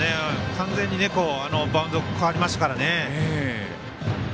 完全にバウンド変わりましたからね。